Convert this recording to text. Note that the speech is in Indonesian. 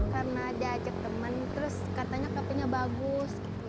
karena dia ajak teman terus katanya kafe nya bagus gitu